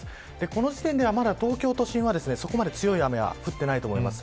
この時点では、まだ東京都心はそこまで強い雨が降っていないと思います。